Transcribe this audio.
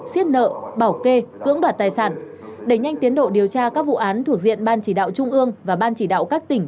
xiết nợ bảo kê cưỡng đoạt tài sản đẩy nhanh tiến độ điều tra các vụ án thuộc diện ban chỉ đạo trung ương và ban chỉ đạo các tỉnh